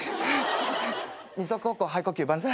二足歩行肺呼吸万歳。